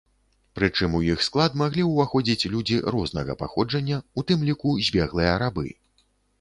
Прычым, у іх склад маглі ўваходзіць людзі рознага паходжання, у тым ліку збеглыя рабы.